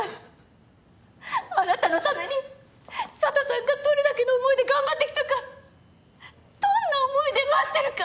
あなたのために佐都さんがどれだけの思いで頑張ってきたかどんな思いで待ってるか！